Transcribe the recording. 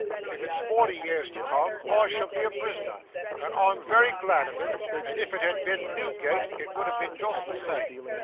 'If it's forty years to come, I shall be a prisoner, and I'm very glad on it; and if it had been Newgate, it would ha' been just the same.